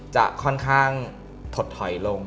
จะค่อนข้างถดถอยลง